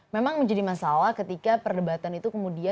memang menjadi masalah ketika perdebatan itu kemudian